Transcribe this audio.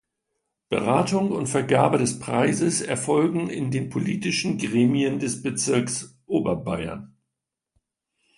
Beratung und Vergabe des Preises erfolgen in den politischen Gremien des Bezirks Oberbayern.